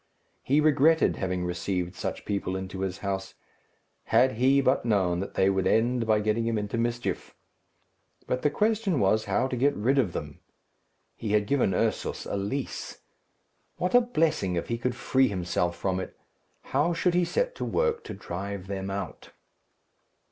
He regretted having received such people into his house. Had he but known that they would end by getting him into mischief! But the question was how to get rid of them? He had given Ursus a lease. What a blessing if he could free himself from it! How should he set to work to drive them out?